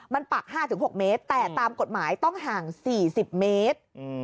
มันปัก๕๖เมตรแต่ตามกฎหมายต้องห่าง๔๐เมตร